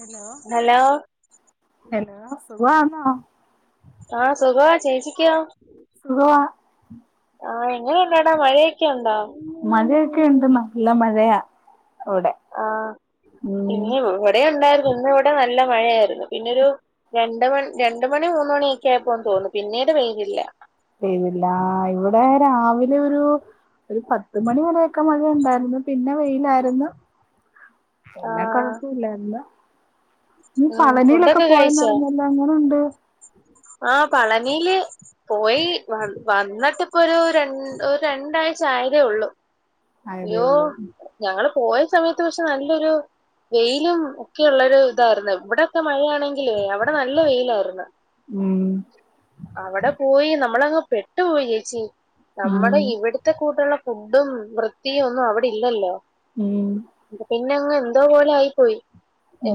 Hello hello സുഖാന്നൊ ആഹ് സ്വഖാ ചേച്ചിക്കോ സുഖവാ ആഹ് എങ്ങനെ ഉണ്ടവിടെ മഴയൊക്കെ ഉണ്ടോ മഴയൊക്കെ ഉണ്ട് നല്ല മഴയാ ഇവിടെ ആഹ് ഉം ഇന്ന് ഇവിടെ ഉണ്ടായിരുന്നു ഇന്ന് ഇവിടെ നല്ല മഴയായിരുന്നു പിന്നൊരു രണ്ട് മണി രണ്ട് മണി മൂന്ന് മണിയൊക്കെ ആയിപ്പോന്ന് തോന്നു പിന്നീട് പെയ്തില്ല പെയ്തില്ല ആഹ് ഇവിടെ രാവിലെ ഒരു ഒരു പത്ത് മണി വരൊക്കെ മഴയ ഉണ്ടാരുന്നു പിന്നെ വെയിലായിരുന്നു പിന്നെ ആഹ് കൊഴപ്പല്ലാരുന്നു നീ ഉം പളനിയിലൊക്കെ ഫുഡൊക്കെ കഴിച്ചോ പോയെന്നറിഞ്ഞല്ലോ എങ്ങനുണ്ട് ആഹ് പളനില് പോയി വ വന്നിട്ട് ഇപ്പ ഒരു ര ഒരു രണ്ടാഴ്ച ആയതേ ഉള്ളൂ ആയതേ അയ്യോ ഉള്ളൂ ഞങ്ങള് പോയ സമയത്ത് പക്ഷെ നല്ലൊരു വെയിലും ഒക്കെ ഉള്ളരു ഇതായിരുന്നു ഇവിടെൊക്കെ മഴയാണെ ങ്കിലെ അവിടെ നല്ല വെയില് ആരുന്ന് ഉം അവടെ പോയി നമ്മളങ്ങ് പെട്ടു പോയി യേച്ചി നമ്മടെ ഉം ഇവിട്ത്തെ കൂട്ടുള്ള ഫുഡ്ഡും വൃത്തിയും ഒന്നും അവ്ടെ ഇല്ലല്ലോ ഉം പിന്നെ അങ്ങ് എന്തോ പോലെ ആയി പോയി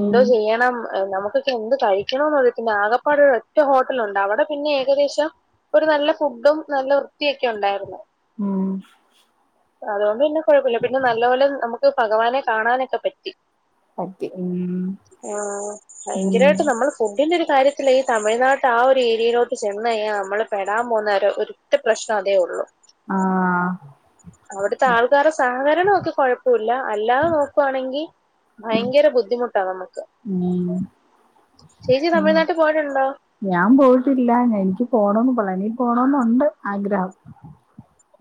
ഉം ചെയ്യണം നമുക്ക് എന്ത് കഴിക്ക്യണംനുള്ളോ ചിന്ത ആഗപ്പാടര് ഒരൊറ്റഹോട്ടലുണ്ട് അവടെ പിന്ന്യേ ഏകദേശം ഒരു നല്ല ഫുഡും നല്ല വൃത്തിയൊക്കെ ഉണ്ടായിരുന്നു ഉം അതോണ്ട് പിന്നെ കൊഴപ്പമില്ല പിന്നെ നല്ല പോലെ നമുക്ക് പഗവാനെ കാണാനൊക്കെ പറ്റി പറ്റി ഉം ആഹ് ഉം ഭയങ്കരമായിട്ട് നമ്മൾ ഫുഡിന്റെ ഒരു കാര്യത്തിലെ തമിഴ്നാട്ട ആഹ് ഒരു ഏരിയയിലോട്ട് ചെന്നയ്ഞ്ഞാ നമ്മള് പെടാംപോന്നരു ഒരു ത്തെ പ്രശ്നഅതേ ഉള്ളു ആഹ് അവിട്ത്തെ ആൾക്കാര സഹകരണൊക്കെ കൊഴപ്പുല്ല അല്ലാതെ നോക്കുവാണെങ്കി വയങ്കര ബുദ്ധിമുട്ടാ നമുക്ക് ഉം ചേച്ചി തമിഴ്നാട്ട് പോയിട്ടുണ്ടോ ഞാൻ പോയിട്ടില്ല എൻക്ക് പോണന്നു പളനി പോണോന്നുണ്ട് ആഗ്രഹം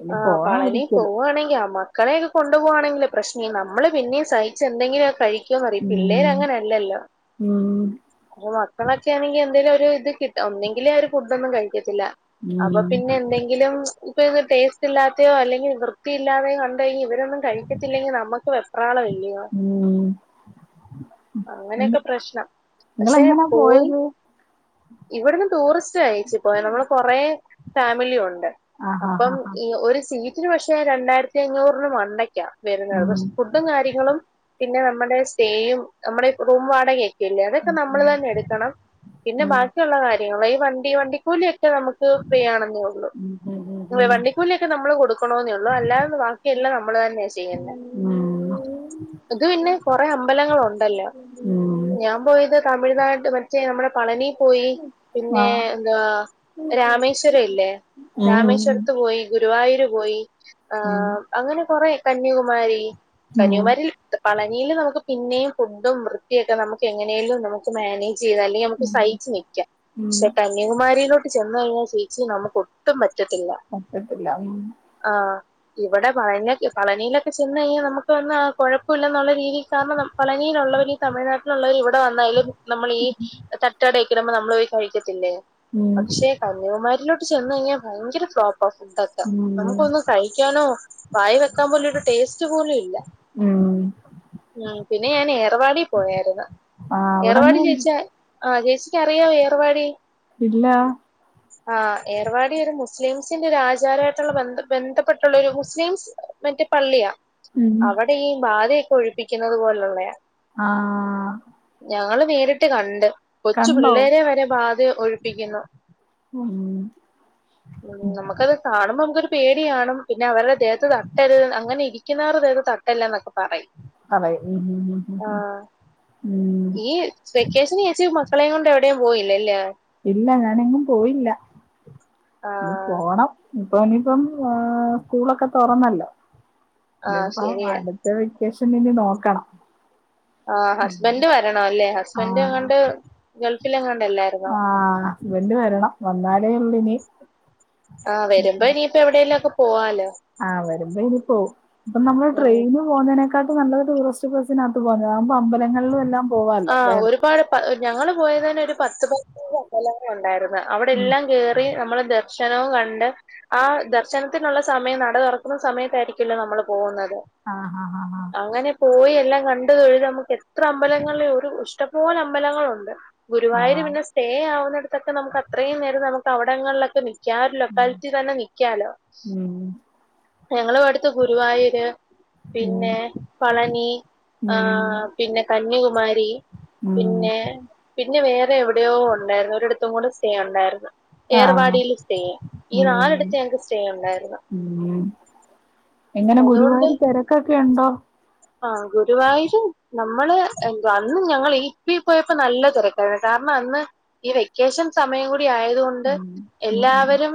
ഇനി ആഹ് പോണം പളനി ഒരിക്കല് പോവ്വാണെങ്കി അമ ക്കളയൊക്കെ കൊണ്ട് പോണെങ്കില് പ്രശ്നി നമ്മള് പിന്നീസഹിച്ച് എന്തെങ്കിലുക കഴി ക്ക്യുന്നറിയത്തില്ലേ ഉം രങ്ങനെല്ലല്ലോ ഉം മക്കളൊക്കെണെങ്കി എന്തേലും ഒരു ഇത് കിട്ട ഒന്നെങ്കിലെ അവര് ഫുഡോന്നും കഴിക്കത്തില്ല അപ്പൊ ഉം പിന്നെന്തെങ്കിലും ഉപേ ഒന്ന് ടേസ്റ്റ് ത്തില്ലാത്ത്യോ അല്ലെങ്കി വൃത്തിയില്ലാതെയോ കണ്ടയ്ഞ് ഇവരൊന്നും കഴിക്ക്യത്തില്ലെങ്കി നമ്മക്ക് വെപ്രാളവല്ല്യോ ഉം നിങ്ങ അങ്ങനെക്കെ പ്രശ്നം പക്ഷെ നിങ്ങളെങ്ങനാ പോയി പോയത് ഇവട്ന്ന് ടൂറിസ്റ്റ് അയച്ചു പോയ നമ്മള് കൊറെ ഫാമിലിയുണ്ട് ആഹാ അപ്പം ഹാ ഹാ ഈ ഒരു സീറ്റിന് പക്ഷെ രണ്ടായിരത്തി അഞ്ഞൂർ രൂ മണ്ടയ്ക്ക്യാ വരുന്നത് ഉം ഫു ഫുഡും കാര്യങ്ങളും പിന്നെ നമ്മടെ സ്സേയും നമ്മടെ റൂം വാടകേ പിള്ളേര്ടെക്കെ നമ്മള് ഉം തന്നെ എട്ക്കണം പിന്നെ ഉം ബാക്കിയുള്ള കാര്യങ്ങൾ ഈ വണ്ടി വണ്ടി കൂലി ക്കെ നമുക്ക് ഫ്രീയാണന്നേ ഉള്ളൂ ഉം ഉം വേവണ്ടി ക്കൂലിക്കെ നമ്മള് കൊടുക്കണോന്നേ ഉള്ളൂ അല്ലാത ബാക്കിയെല്ലാം നമ്മള് തന്നെയ ചെയ്യുന്നേ ഉം ഉം അത് പിന്നെ കൊറെ അമ്പലങ്ങളുണ്ടല്ലോ ഉം ഉം ഞാം പോയത് തമിഴ്നാട് മറ്റേ നമ്മടെ പളനി പോയി പിന്നെ ആഹ് എന്താ രാമേശ്വര ഇല്ലേ ഉം ഉം രാമേശ്വരത്ത് പോയി ഗുരുവായൂര് പോയി ഉം ആഹ് അങ്ങനെ കൊറെ കന്യാകുമാരി ഉം കന്യകുമാരിൽത് പളനീല് നമുക്ക് പിന്നെയും ഫുഡും വൃത്തിയൊക്കെ നമുക്ക് എങ്ങനെലും നമുക്ക് മാനേജ് ചെയ്താല് തേയമുക്ക് സയിച്ച് നിക്ക്യ ഉം ഷേപ കന്യകുമാരിയിലോട്ട് ചെന്നഴിഞ്ഞാ ചേച്ചി നമുക്ക് ഒട്ടും പറ്റത്തില്ല പറ്റത്തില്ല ഉം ആഹ് ഇവടെ പളന്യകെ പളനീലൊക്കെ ചെന്നഴിഞ്ഞാ നമക്ക് വന്നാ കൊഴപ്പുല്ലന്നുള്ള രീതികാൺണം നം പളനിലുള്ളവരീ തമിഴ്നാട്ടിലുള്ളവര് ഇവടെ വന്നാലും നമ്മളീ തട്ട് കടേക്കിലംന്ന് നമ്ള് പോയി കഴിക്കത്തില്ലേ ഉം പക്ഷെ കന്യാകുമാരിലോട്ട് ചെന്നഴിഞ്ഞ ഭയങ്കര ഫ്ലോപ്പ ഫുഡൊക്കെ ഉം നമുക്കൊന്നു കഴിക്കാനോ വായിവെക്കാൻ പോലും ഒരു ടേസ്റ്റുപോലും ഇല്ല. ഉം ഉം പിന്നെ ഞാനെ ഏർവാടി പോയാരുന്നു ആഹ് ഏർവാടി അവിടെങ്ങനെണ്ട് ചേച്ചി ആ ചേച്ചിക്കറിയാവോ ഏർവാടി. ഇല്ലാ ആ ഏർവാടിയൊരു മുസ്ലിം സിന്റൊരു ആചാരായായിട്ടൊള്ള ബന്ധപ്പെട്ടുള്ള ഒരു മുസ്ലിംസ് മറ്റേ പള്ളിയാ ഉം അവ ടെയീ ബാധയൊക്കെ ഒഴിപ്പിക്കുന്നതു പോലൊള്ളയാ. ആഹ് ഞങ്ങള് നേരിട്ടുകണ്ട് കൊച്ചു കണ്ടോ പിള്ളേരെവരെ ബാധ ഒഴിപ്പിക്കുന്നു. ഉം ഉം നമുക്കത് കാണുമ്പോ നമുക്കൊരു പേടികാണും പിന്നെ അവരുടെ ദേഹത്ത് തട്ടരുത് അങ്ങനെ ഇരി ക്കുന്നവരുടെ ദേഹത്ത് തട്ടല്ലെന്നൊക്കെ പറയും. പറയും ഉം ഉം ഉം ആ ഉം ഈ വെക്കേഷന് ചേച്ചി മ ക്കളേയും കൊണ്ട് എവിടെയും പോയില്ലാല്ലിയോ ഇല്ല ഞാനെങ്ങും പോയില്ല ഇനി ആഹ് പോണം. ഇപ്പം ഇനിയിപ്പം ആ സ്കൂളൊക്കെ തൊറന്നല്ലോ ആഹ് ഇനിയിപ്പം ശരിയാ. അടു ത്ത വെക്കേഷനിനി നോക്കണം. ആ ഹസ്ബൻഡ് വരണം അല്ലേ ആ ഹസ്ബൻറ്റെങ്ങാണ്ട് ഗൾഫിലെങ്ങാണ്ടല്ലേ. ആഹ് ഹസ്ബന്റുവരണം വന്നാലേയൊള്ളുനി ആ വരുമ്പോയിനിപ്പ എവിടെല്ലൊ ക്കെ പോവാലോ. ആ വരുമ്പോയിനി പോവും ഇപ്പം നമ്മള് ഉം ട്രെയിനോ. പോകുന്നതിനെക്കാട്ടി നല്ലത് ടൂറിസ്റ്റു ബസ്സിനാത്തുപോകുന്നതാ അതാവുമ്പോ അമ്പലങ്ങളിലും എല്ലാം ആ പോവാല്ലോ വേറെ ഒരുപാട് പ ഞങ്ങളു പോയതുതന്നെ ഒരു പത്തുപതിനഞ്ചു അമ്പലങ്ങൾ ഒണ്ടായിരുന്നു അവിടെ ഉം എല്ലാം കേ റി നമ്മള് ദർശനവും കണ്ട്. ആ ദർശനത്തിനൊള്ളസമയം നടതൊറക്കുന്ന സമയത്തായിരിക്കില്ല നമ്മള് പോകുന്നത്. ആ ഹ ഹ ഹാ അങ്ങനെപോയി എല്ലാം കണ്ടുതൊഴുത് നമുക്കെത്ര അമ്പലങ്ങളില് ഒരു ഇഷ്ടപോലെ അമ്പലങ്ങളൊണ്ട്. ആ ഗുരുവായൂര് പിന്നെ സ്റ്റേ ആവുന്നിടത്തൊക്കെ നമുക്ക് അത്രയും നേരം നമുക്കവിടങ്ങളിലൊക്കെ നി ക്കാം ആയൊരുലൊക്കാലിറ്റിതന്നെ നിക്കാലോ. ഉം ഞങ്ങളുവിടത്ത് ഗുരുവായൂര്. ഉം പിന്നെ പളനി ആ ഉം പിന്നെ കന്യകുമാരി. ഉം പിന്നെ പിന്നെ വേറെ എവിടെയോ ഒണ്ടായിരുന്നു ഒരിടത്തും കൂടെ സ്റ്റേ ഒണ്ടായിരുന്നു. ആ ഏർവാടീല് സ്റ്റേ ഈ ഉം നാലെടത്ത് ഞങ്ങക്ക് സ്റ്റേ ഒണ്ടായിരുന്നു. ഉം എങ്ങനെ ഗുരുവായൂരി തെരക്കൊക്കെയൊണ്ടോ ആ ഗുരുവായൂര് നമ്മള് എന്തുവാ അന്നും ഞങ്ങള് ഈ ഇപ്പയീപ്പോയപ്പോ നല്ല തെരക്ക് കാരണം അന്ന് ഈ വെക്കേഷൻ സമയംകൂടി ആയതുകൊ കൊണ്ട് ഉം ഉം ഉം എല്ലാവരും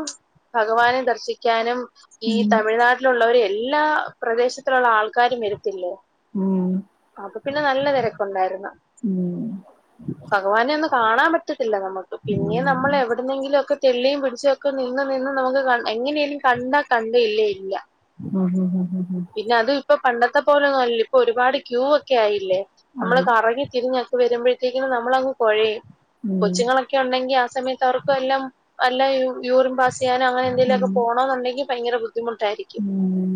ഭഗവാനെ ദർശിക്കാനും ഈ ഉം തമിഴ്നാട്ടിലൊള്ളവരും എല്ലാ പ്രദേശത്തൊള്ള ആൾക്കാരും വരത്തില്ലേ. ഉം അപ്പപിന്നെ നല്ല തെരക്കൊണ്ടായിരുന്നു. ഭഗവാനെയൊന്നു കാണാൻ പറ്റത്തില്ല നമുക്ക് പിന്നെ നമ്മള് എവിടെന്നെങ്കിലുമൊക്കെ തെള്ളിയും പിടിച്ചുമൊക്കെ നിന്ന് നിന്ന് നമുക്ക് കൺ എങ്ങനേലും കണ്ടാകണ്ടു ഇല്ലേയില്ല. ഹ ഹ ഹ ഹ ഹ പിന്നെ അതും ഇപ്പൊ പണ്ടത്തെ പോലൊയൊന്നുമല്ലലോ ഇപ്പൊ ഒരുപാട് ക്യൂ ഒക്കെ ആയില്ലേ നമ്മള് ആയി. കറിങ്ങി തിരിഞ്ഞൊക്കെ വരുമ്പോഴത്തേക്കി നമ്മളങ് കുഴയും ഉം, കൊച്ചുങ്ങളൊക്കെ ഉണ്ടെങ്കി ആ സമയത്ത് അവർക്കും എല്ലാം എല്ലാം യൂറിൻ പാസ് ഉം, ചെയ്യാനോങ്ങനെന്തെങ്കുമൊക്ക പോണോ ഉണ്ടെങ്കി ഭയങ്കര ബുദ്ധിമുട്ടായിരിക്കും ഉം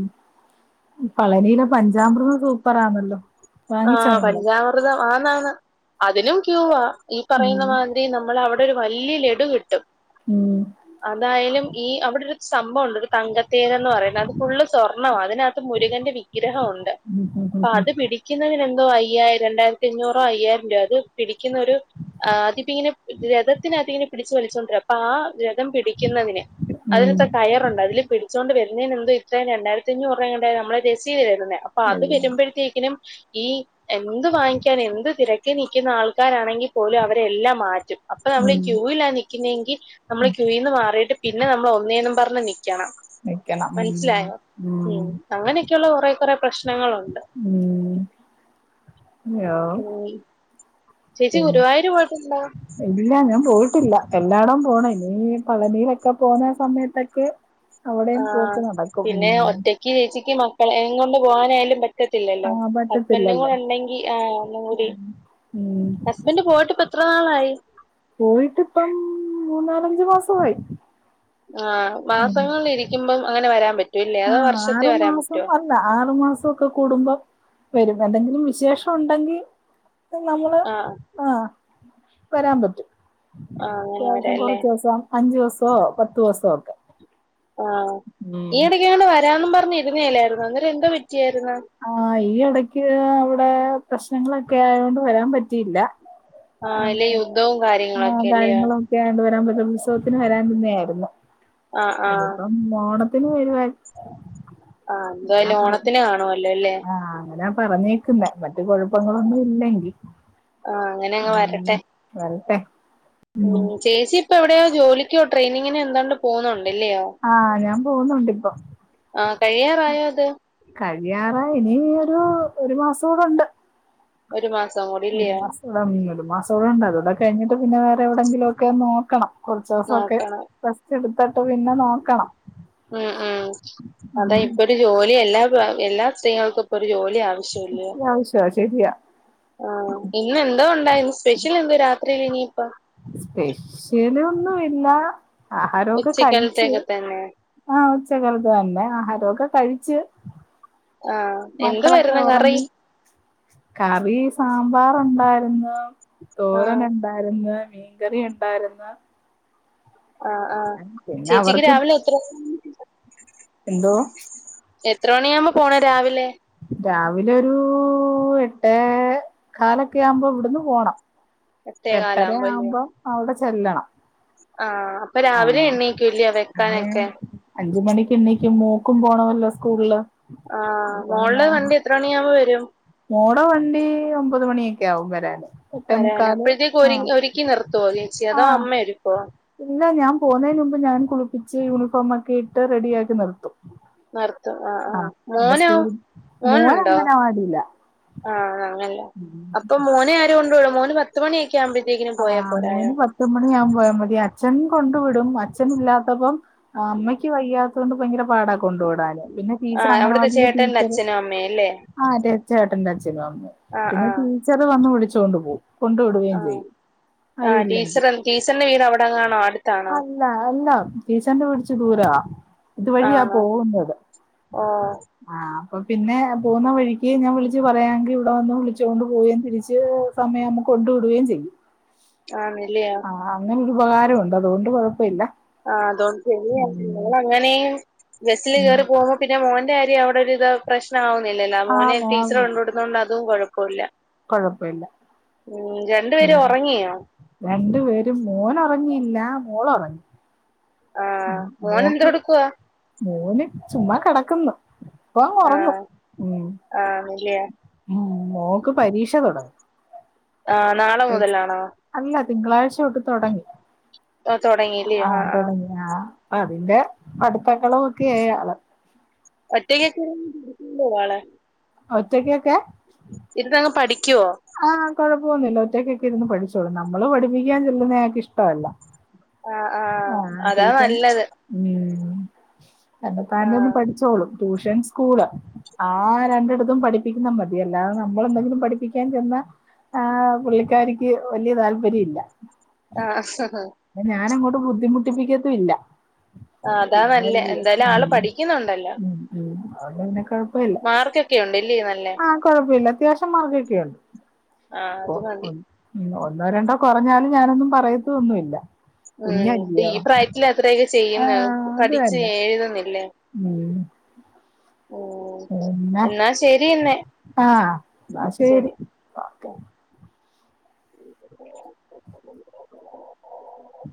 പളനയിലെ പഞ്ചാമൃതം സൂപ്പർാണല്ലോ ആ പഞ്ചാമൃതം ആന്നാ ന്നാന്ന് അതിനും ക്യൂവാ ഈ പറയുന്ന ഉം, മാതിരി നമ്മള് അവിടെ ഒരു വല്യ ലഡു കിട്ടും ഉം അതായാലും ഈ അവിടെ ഒരു സംഭവം ഉണ്ട് തങ്കത്തേതന്ന് പറയുന്നത് അത് ഫുള്ള് സ്വർണ്ണം മാണ് അതിനകത്ത് മുരുകന്റെ വിഗ്രഹം ഉണ്ട് ഉം അപ്പൊ ഉം അത് പിടിക്കുന്നതിന് എന്തോ അയ്യായിരം രണ്ടായിരത്തി അഞ്ഞൂറോ അയ്യായിരം രൂപയോ അത് പിടിക്കുന്ന ഒരു ആ അതിപ്പ ഇങ്ങനെ രഥത്തിന അതി ഇങ്ങനെ പിടിച്ചു വലിച്ചൊണ്ട് അപ്പൊ ആ രഥം പിടിക്കുന്നതിന് ഉം. അതിനക്കെ കയം ണ്ട് അതില് പിടിച്ചുകൊണ്ട് വരുന്നതിനന് എന്ത ഇത്രയും രണ്ടായിരത്തി അഞ്ഞൂറ് രൂപ നമ്മളെ രസീത് വരുന്നെ അപ്പൊ അത് ഉം, വരുമ്പോഴത്തേക്കിനും ഈ എന്ത് വാങ്ങിക്കാൻ എന്ത് തിരക്കി നിൽക്കുന്ന ആൾക്കാരാണെങ്കിൽ പോലും അവരെ എല്ലാം മാറ്റും അപ്പൊ നമ്മള് ഉം. ക്യൂലാ നി- ക്കുന്നെങ്കിൽ നമ്മള് ക്യൂയിന്ന് മാറിയിട്ട് പിന്നെ നമ്മൾ ഒന്നേന്നും പറഞ്ഞ് നിൽക്കണം നിക്കണം. ഉം, മനസിലായോ ഉം അങ്ങനെയൊക്കെയുള്ള കുറേ കുറെ പ്രശ്നങ്ങളുണ്ട് ഉം ഹലേ ഉം ചേച്ചി ഗുരുവായൂര് പോയിട്ടുണ്ടോ ഇല്ല ഞാൻ പോയിട്ടില്ല എല്ലായിടും പോണം ഇനി പളനിയിലൊക്കെ പോകുന്ന സമയത്തൊക്കെ ആ അവിടെയും പോക്ക് നടക്കും പിന്നെ ഒറ്റയ്ക്ക് ചേച്ചിക്ക് മക്കളെ കൊണ്ട് പോകാനായാലും പ റ്റത്തില്ലല്ലോ ആഹ് ഹസ്ബൻഡും പറ്റത്തില്ലല്ലോ. കൂടെ ഇണ്ടെങ്കിൽ ആ ഒന്നും കൂടി ഉം. ഹസ്ബൻഡ് പോയിട്ട് എത്ര നളായി പോയിട്ടിപ്പം മൂന്നാലഞ്ച് മാസമായി ആ ഉം. മാസങ്ങളിൽ ഇരിക്കുമ്പം അങ്ങനെ വരാൻ പറ്റൂല്ലേ അതോ വർഷത്തെ വരാൻ പറ്റുവോ ആറു മാസം ഒക്കെ കൂടുമ്പോ വരും എന്തെങ്കിലും വിശേഷം ഉണ്ടെങ്കിൽ നമ്മള് ആ ആഹ് വരാൻ പറ്റും ആ അങ്ങനെ അത്യാവശ്യം വരാല്ലേ കൊറച്ച് ദിവസം അഞ്ചു ദിവസോ പത്ത് ദിവസോ ഒക്കെ ആഹ് ഉം. ഈ ഇടക്ക്ണ്ട് അങ്ങട്ട്. വരാനും പറഞ്ഞ് ഇരുന്നേല്ലായിരുന്നു അന്നേരം എന്താ പറ്റിയായിരുന്ന ആ ഈ ഇടക്ക് അവിടെ പ്രശ്നങ്ങളൊക്കെ ആയ കൊണ്ട് വരാൻ പറ്റിയില്ല ആ ഇല്ലേ യുദ്ധവും ആന്നെ ആ കാര്യങ്ങളൊക്കെ അല്ലയോ കാര്യങ്ങളും ണ്ട് വരാൻ പറ്റ ഉത്സവത്തിന് വരാൻ തന്നെ ആയിരുന്നു ആ ആ ഇനിപ്പം മോടത്തിന് വരുവാ ആഹ് എന്തായാലും ഓണത്തിന് കാണുവല്ലോ അല്ലേ ആഹ് അങ്ങനെ പറഞ്ഞേ [unintelligible] മറ്റു കുഴപ്പങ്ങളൊന്നും ഇല്ലെങ്കിൽ ആ അങ്ങനെ അങ്ങ് ഉം വരട്ടെ വരട്ടെ ഉം ചേച്ചി ഇപ്പ എവിടെയോ ജോലിക്കോ ട്രെയിനിങ്ങിനോ എന്താണ്ട് പോകുന്നുണ്ടല്ലയോ ആഹ് ഞാൻ പോകുന്നുണ്ട് ഇപ്പൊ ആ കഴിയാറായോ അത് കഴിയാറായി ഇനി ഒരു ഒരു മാസം കൂടെണ്ട് ഒരു മാസം കൂടി ഇല്ലയോ ഇവിടെ മ ഒരു മാസോളും ഉണ്ട് അതോടെ കഴിഞ്ഞിട്ട് പിന്നെ വേറെ എവിടെയെങ്കിലും ഒക്കെ നോക്കണം കുറച്ചെസെക്കെ നോക്കണം റസ്റ്റ് എടുത്തിട്ട് പിന്നെ നോക്കണം എഹ് ഏഹ് അതാ ഇപ്പൊ ഒരു ജോലി എല്ലാ എല്ലാ സ്ത്രീകൾക്കും ഇപ്പൊ ഒരു ജോലിയാവ അത്യാവശ്യമാ ശരിയാ [unintelligible] ആഹ് ഇന്ന എന്തോ ഉണ്ടായിരുന്നു സ്പെഷ്യൽ എന്തോ രാത്രിയില് ഇനിയിപ്പ സ്പെഷ്യല് ഒന്നും ഇല്ല ആഹാരമൊക്കെ കഴിച്ച് ഉച്ചക്കാലത്തേക്ക് തന്നെ ആഹ് ഉച്ചക്കൽത് തന്നെ ആഹാരമൊക്കെ കഴിച്ച് ആഹ് എന്ത് മക്കളൊക്കെ വാര്ന്ന് കറി ഉറങ്ങി കറി സാമ്പാറ ഉണ്ടായിരുന്നു ആ തോരൻ ഉണ്ടായിരുന്നു മീൻകറി ഉണ്ടായിരുന്നു ആഹ് ആഹ് പിന്നെ ചേച്ചിക്ക് അവർക്ക് രാവിലെ എത്ര എന്തോ എത്ര മണിയാഉമ്പോ പോണ രാവിലെ രാവിലെ ഒരു എട്ടേ കാലൊക്കെ ആകുമ്പോ ഇവിടന്ന് പോണം എട്ടേ എട്ടര കാലാകുമ്പോ ആവുമ്പം അവിടെ ചെല്ലണം ആഹ് അപ്പൊ ആ രാവിലെ എണ്ണീക്കൂല്ല വെക്കാനൊക്കെ അഞ്ച മണിക്ക് എണ്ണീക്കും മൂക്കും പോണമല്ലോ സ്കൂളില് ആഹ് മോൾളെ വണ്ടി എത്ര മണിയാവുമ്പോ വരും മോട വണ്ടി ഒമ്പത് മണിയൊക്കെ ആവും വരാന് എട്ടേ വരാന മുക്കാല് അപ്പഴത്തേക്ക് ആ ഒരു ഒരുക്കി നിർത്തോ ചേച്ചി ആ അതോ അമ്മ ഒരുക്കോ ഇല്ല ഞാൻ പോകുന്നയ്ന് മുമ്പ് ഞാൻ കുളിപ്പിച്ച് യൂണിഫോം ഒക്കെ ഇട്ട് റെഡി ആക്കി നിർത്തും ന്നർത്തു ആഹ് ആ ആഹ് പിന്നെ മോനാ സ്കൂൾ മോൻ മോനുണ്ടോ അംഗനവാടിയിലാ ആഹ് അങ്ങനല്ല ഉം അപ്പൊ മോനെ ആര് കൊണ്ടോള്ളൂ മോന് പത്തുമണിയ ക്ക്‌ ആഉമ്പഴത്തേക്നും പോയാ പോരായോ ത്തുമ്മണി ഞാൻ പോയാ മതി അച്ഛൻ കൊണ്ടു വിടും അച്ഛൻ ഇല്ലാത്തപ്പം അമ്മയ്ക്ക് വയ്യാ തൊണ്ട് ഭയങ്കര പാടാ കൊണ്ടു വിടാന് പിന്നെ ആ ടീച്ചർ അവിടുത്തെ അങ്ങനവാടിലെ ചേട്ടന്റെ ടീച്ചറ് അച്ഛനും അമ്മയും അല്ലേ ആഹ് അതെ ച്ചേട്ടന്റെ അച്ഛനും അമ്മയും ആ ആ പിന്നെ ടീച്ചറ് വന്ന് വിളിച്ചോണ്ട് പോകും കൊണ്ട് വിടുകയും ചെയ്യും. ആരും ആഹ് ഇല്ലെങ്കിൽ ടീച്ചറ് ടീച്ചറിന്റെ വീട് അവിടെങ്ങാനാണോ അടു അല്ല അല്ല ടീച്ചറിന്റെ കുറച്ചു ദൂര. ഇതുവഴിയാ ആണോ പോകുന്നത്. ഓ ആഹ് അപ്പൊ പിന്നെ പോകുന്ന വഴിക്ക് ഞാൻ വിളിച് പറയാങ്കിൽ ഇവിടെ വന്ന് വിളിച്ചോണ്ട് പോകയും തിരിച്ച്. സമയകുമ്പോ കൊണ്ട് വിടുകയും ചെയ്യും. ആണല്ലയോ. ആഹ് അങ്ങനെ ഒരു ഉപകാരോണ്ട് അതുകൊണ്ട് കൊഴപ്പല്ല. ആഹ് അതൊണ്ട് ശരി ഞങ്ങളങ്ങനെയും ബസിൽ ഉം കേയറി പോകു പിന്നെ മോന്റെ കാര്യം അവിടെ ഒരു ത് പ്രശ്ന ആവുന്നില്ലല്ലോ ആഹ് മോനെ ടീച്ചറ് കൊണ്ടു വിടുന്നതോണ്ട് അതും കുഴപ്പല്ല. കുഴപ്പല്ല. ഉം രണ്ടു പേരും ഉറങ്ങിയോ. രണ്ടു പേരും മോനൊറങ്ങിയില്ല മോളൊറങ്ങി. ആഹ് മോൻ മോക്ക് എന്തെടുക്കുവാ മോന് ചുമ്മാ കിടക്കുന്നു. ഇപ്പൊ ഉറങ്ങും ആഹ് ഉം ആഹ് ഇല്ലയോ ഉം മോക്ക് പരീക്ഷ തുടങ്ങും. ആഹ് നാളെ മുതലാണോ. അല്ല തിങ്കളാഴ്ച തൊട്ട് തുടങ്ങി ആഹ് തുടങ്ങി. ആഹ് അതിന്റെ പഠിത്തങ്ങളും ഒക്കെയാള്. ഒറ്റക്കൊക്കെ പോവാള്. ഒറ്റയ്ക്കെക്കെ. ഇരുന്നങ്ങ് പഠിക്കുവോ. ആഹ് കൊഴപ്പൊന്നുമില്ല ഒറ്റയ്ക്കൊക്ക ഇരുന്ന് പഠിച്ചോളൂ നമ്മള് പഠിപ്പിക്കാൻ ചെല്ലുന്നയാക്ക് ഇഷ്ടമല്ല. ആഹ് ആഹ് അതാ ട്യൂഷൻ നല്ലത് ഉം തന്നത്താനെ അങ്ങ് ആഹ് പഠിച്ചോളും. ട്യൂഷൻ സ്കൂള് ആ രണ്ടിടത്തും പഠിപ്പിക്കുന്ന മതി അല്ലാതെ നമ്മളെന്തെങ്കിലും പഠിപ്പി ക്കാൻ ചെന്ന ആഹ് പുള്ളിക്കാരിക്ക് വലിയ താല്പര്യല്ല. ആഹ് ഞാനങ്ങോട്ട് ബുദ്ധിമുട്ടിപ്പിക്കത്തും ഇല്ല. ആഹ് അതാ നല്ല പിന്നല്ലിയോ എന്തായാലും ആള് ഉം പഠിക്കുന്നുണ്ടല്ലോ. ഉം അതോണ്ട് പിന്നെ കുഴപ്പമില്ല. മാർക്കൊക്കെ ഉണ്ട് ഇല്ലേ നല്ലേ. ആകുഴപ്പില്ല അത്യാവശ്യം മാർകൊകെ ഉണ്ട് ആഹ് അത് മതി ഉം ഒന്നോ രണ്ടോ കുറഞ്ഞാലും ഞാനൊന്നും പറയത്തൊന്നുമില്ല. ഉം ഇപ്പ കുഞ്ഞല്ലിയോ ഈ പ്രായത്തില് അത്രയൊക്കെ ആ ചെയ്യുന്നു അത് പഠിച് തന്നെ എഴുതുന്നില്ലേ. ഉം ഉം എന്നാ ശരി എന്നെ. ആഹ് എന്ന ശരി. ഉ